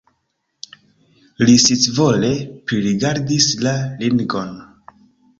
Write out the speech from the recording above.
Li scivole pririgardis la ringon.